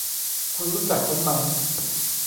คุณรู้จักฉันไหม